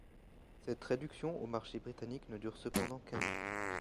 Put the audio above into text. Cette réduction au marché britannique ne dure cependant qu'un an.